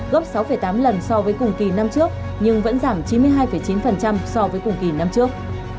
gấp sáu tám lần so với cùng kỳ năm trước nhưng vẫn giảm chín mươi hai chín so với cùng kỳ năm trước